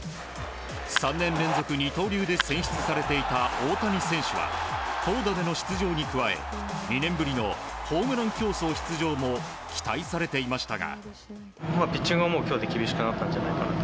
３年連続二刀流で選出されていた大谷選手は、投打での出場に加え２年ぶりのホームラン競争出場も期待されていましたが。